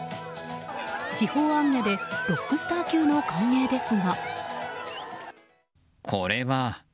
地方行脚でロックスター級の歓迎ですが。